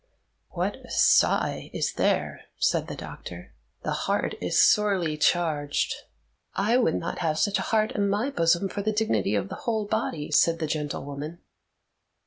"What a sigh is there!" said the doctor. "The heart is sorely charged." "I would not have such a heart in my bosom for the dignity of the whole body," said the gentlewoman.